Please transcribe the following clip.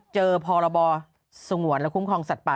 พรบสงวนและคุ้มครองสัตว์ป่า